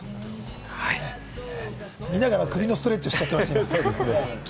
見ながら首のストレッチをしちゃっています。